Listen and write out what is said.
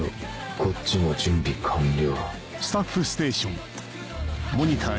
こっちも準備完了。